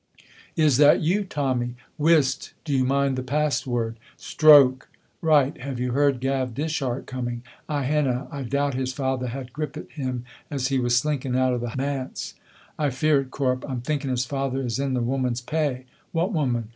"Is that you, Tommy?" "Whist! Do you mind the password?" "Stroke!" "Right. Have you heard Gav Dishart coming?" "I hinna. I doubt his father had grippit him as he was slinking out o' the manse." "I fear it, Corp. I'm thinking his father is in the Woman's pay." "What woman?"